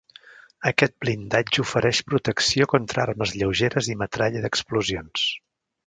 Aquest blindatge ofereix protecció contra armes lleugeres i metralla d'explosions.